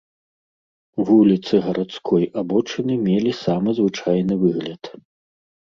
Вуліцы гарадской абочыны мелі самы звычайны выгляд.